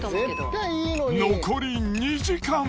残り２時間。